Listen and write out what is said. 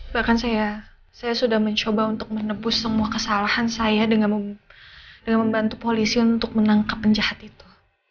bahkan saya sudah mencoba untuk menebus semua kesalahan saya dengan membantu polisi untuk menangkap penjahat itu